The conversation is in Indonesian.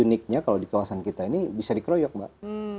uniknya kalau di kawasan kita ini bisa dikeroyok mbak